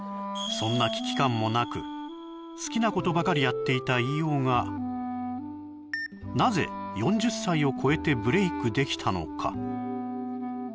そんな危機感もなく好きなことばかりやっていた飯尾がなぜ４０歳をこえてブレイクできたのか